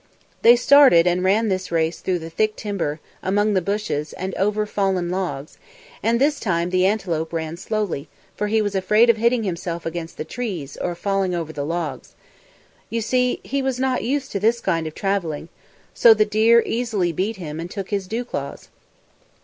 They started and ran this race through the thick timber, among the bushes, and over fallen logs, and this time the antelope ran slowly, for he was afraid of hitting himself against the trees or of falling over the logs. You see, he was not used to this kind of travelling. So the deer easily beat him and took his dew claws.